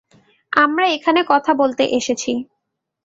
আমরা এখানে কথা বলতে এসেছি।